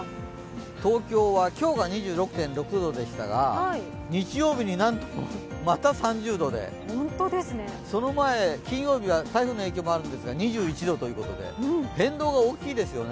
東京は今日が２６．６度でしたが日曜日になんと、また３０度で、その前、金曜日は台風の影響もあるんですが、２１度ということで変動が大きいですよね。